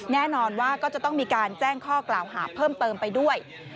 แน่นอนว่าก็จะต้องมีการแจ้งข้อกล่าวหาเพิ่มเติมไปด้วย